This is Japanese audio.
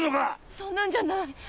そんなんじゃない。